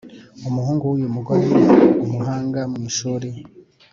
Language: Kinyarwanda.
Umuhungu w uyu mugore ni umuhanga mu ishuri